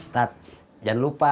tat jangan lupa